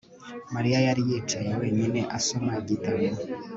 Mariya yari yicaye wenyine asoma igitabo